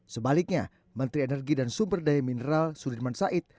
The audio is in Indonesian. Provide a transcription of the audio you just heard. sebaliknya menteri energi dan sumberdaya mineral sudirman said